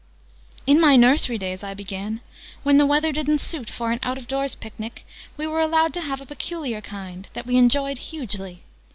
"In my nursery days," I began, "when the weather didn't suit for an out of doors picnic, we were allowed to have a peculiar kind, that we enjoyed hugely.